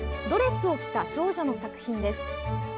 ドレスを着た少女の作品です。